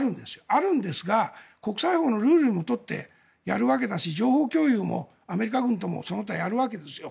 あるんですが、国際法のルールに基づいてやるわけだし情報共有もアメリカ軍ともその他やるわけですよ。